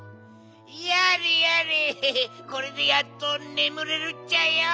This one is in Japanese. やれやれこれでやっとねむれるっちゃよ！